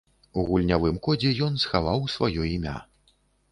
У гульнявым кодзе ён схаваў сваё імя.